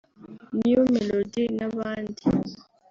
New Melody n'abandi